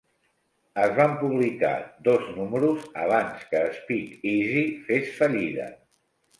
Es van publicar dos números abans que Speakeasy fes fallida.